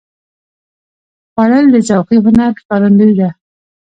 خوړل د ذوقي هنر ښکارندویي ده